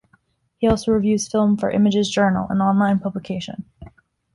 He also reviews film for Images Journal, an online publication.